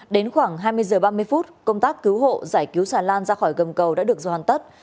đến khoảng hai mươi h ba mươi phút công tác cứu hộ giải cứu xà lan ra khỏi gầm cầu đã được do hoàn tất